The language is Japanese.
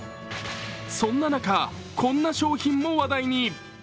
そんな中、こんな商品も話題に。